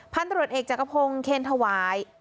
พันธุ์ตรวจเอกจักรพงศ์เคนธวาย